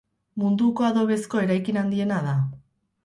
Munduko adobezko eraikin handiena da.